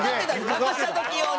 なくした時用に。